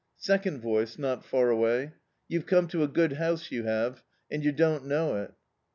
Second voice, not far away: "You've come to a good house, you have, and yer dcKi't know it."